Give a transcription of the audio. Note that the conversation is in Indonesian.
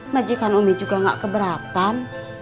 majikan umi juga gak keberatan